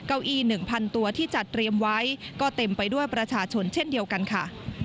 เก้าอี้๑๐๐ตัวที่จัดเตรียมไว้ก็เต็มไปด้วยประชาชนเช่นเดียวกันค่ะ